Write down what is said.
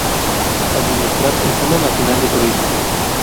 Administrar el Fondo Nacional de Turismo.